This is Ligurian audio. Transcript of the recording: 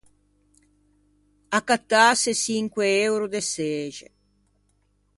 Accattâse çinque euro de çexe.